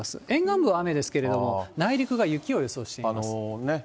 沿岸部は雨ですけれども、内陸が雪を予想しています。